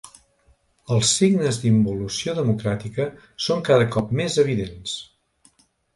Els signes d’involució democràtica són cada cop més evidents.